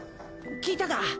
聞いたか？